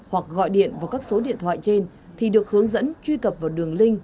hoặc gọi điện vào các số điện thoại trên thì được hướng dẫn truy cập vào đường link